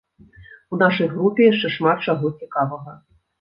У нашай групе яшчэ шмат чаго цікавага.